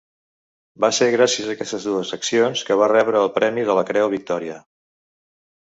Va ser gràcies a aquestes dues accions que va rebre el premi de la Creu Victòria.